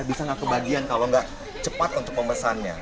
bisa nggak kebagian kalau nggak cepat untuk memesannya